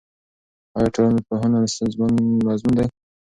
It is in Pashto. آیا ټولنپوهنه ستونزمن مضمون دی؟